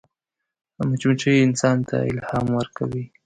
مچمچۍ انسان ته الهام ورکوي